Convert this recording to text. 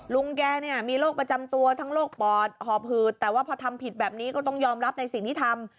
ลุงแกเนี่ยมีโรคประจำตัวทั้งโรคปอดหอบหืดแต่ว่าพอทำผิดแบบนี้ก็ต้องยอมรับในสิ่งที่ทำ